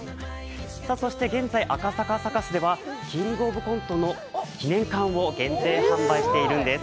そして現在、赤坂サカスでは「キングオブコント」の記念缶を限定販売しているんです。